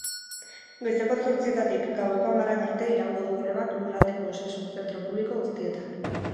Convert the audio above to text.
Goizeko zortzietatik gaueko hamarrak arte iraungo du grebak lurraldeko osasun zentro publiko guztietan.